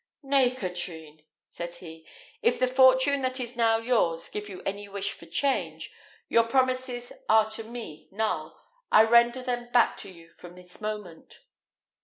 "Nay, Katrine," said he, "if the fortune that is now yours give you any wish for change, your promises are to me null: I render them back to you from this moment."